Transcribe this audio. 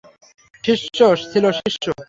শিষ্য ছিল, শিষ্য।